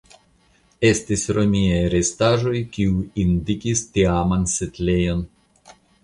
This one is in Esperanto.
Estis romiaj restaĵoj kiuj indikis tiaman setlejon.